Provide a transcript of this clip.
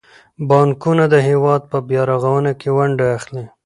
بانکونه د هیواد په بیارغونه کې ونډه اخلي.